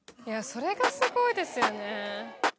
それがすごいですよね。